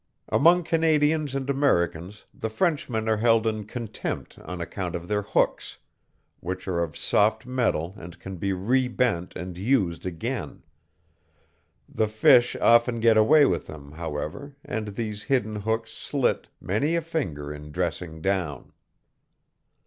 Among Canadians and Americans the Frenchmen are held in contempt on account of their hooks, which are of soft metal and can be rebent and used again. The fish often get away with them, however, and these hidden hooks slit many a finger in dressing down.